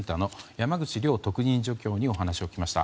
山口亮特任助教にお話を聞きました。